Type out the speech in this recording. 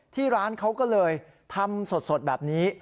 ที่ร้านเขาก็เลยทำสดแบบนี้